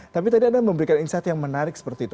tapi tadi anda memberikan insight yang menarik seperti itu